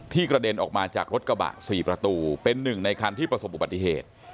กระเด็นออกมาจากรถกระบะ๔ประตูเป็นหนึ่งในคันที่ประสบอุบัติเหตุ